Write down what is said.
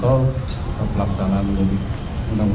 hakim mk nanti mengundang